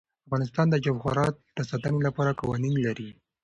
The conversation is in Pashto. افغانستان د جواهرات د ساتنې لپاره قوانین لري.